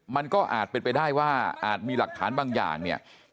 มันก็อาจเป็นไปได้ว่าอาจมีหลักฐานบางอย่างเนี่ย